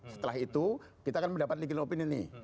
setelah itu kita akan mendapat legal opinion ini